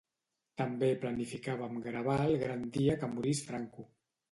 També planificàvem gravar el gran dia que morís Franco